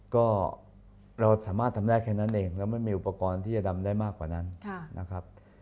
ก็เราสามารถทำได้แค่นั้นเองเราไม่มีอุปกรณ์ที่จะดำได้มากกว่านั้นนะครับ